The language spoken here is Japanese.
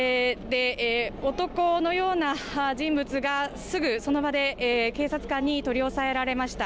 男のような人物がすぐその場で警察官に取り押さえられました。